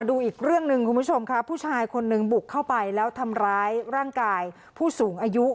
ดูอีกเรื่องหนึ่งคุณผู้ชมค่ะผู้ชายคนหนึ่งบุกเข้าไปแล้วทำร้ายร่างกายผู้สูงอายุ